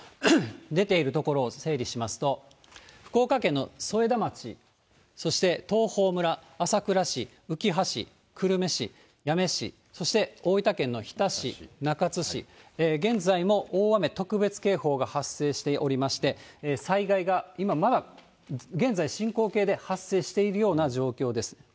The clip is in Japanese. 出ている所を整理しますと、福岡県の添田町、そして東峰村、朝倉市、うきは市、久留米市、八女市、そして大分県の日田市、中津市、現在も大雨特別警報が発生しておりまして、災害が今まだ現在進行形で発生しているような状況です。